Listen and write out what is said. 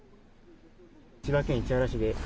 千葉県市原市です。